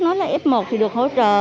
nói là f một thì được hỗ trợ